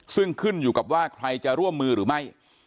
ซึ่งขึ้นอยู่กับว่าใครจะร่วมมือหรือไม่